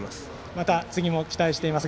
また次も期待しています。